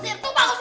tuh mau kusir lah